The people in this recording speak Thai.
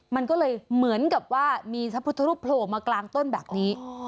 มันก็เลยเหมือนกับว่ามีพระพุทธรูปโผล่มากลางต้นแบบนี้